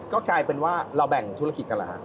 ก็กลายเป็นว่าเราแบ่งธุรกิจกันเหรอฮะ